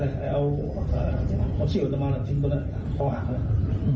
พระเจ้าอาวาสวัสดิ์ท่านก็บอกว่าไม่ได้ตั้งใจจะบุคคลกับเจ้าอาวาสวัสดิ์